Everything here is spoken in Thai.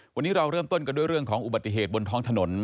วันนี้เราเริ่มต้นกันด้วยเรื่องของอุบัติเหตุบนท้องถนน